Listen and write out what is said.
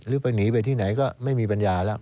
หรือไปหนีไปที่ไหนก็ไม่มีปัญญาแล้ว